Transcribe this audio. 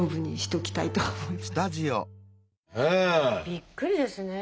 びっくりですね。